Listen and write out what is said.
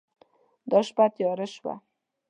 دا شپه تېره شوه.